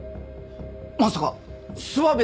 まさか諏訪部！